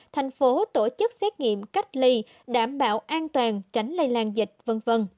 thành phố tổ chức xét nghiệm cách ly đảm bảo an toàn tránh lây lan dịch v v